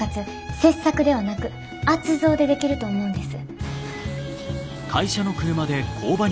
切削ではなく圧造でできると思うんです。